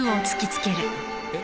えっ？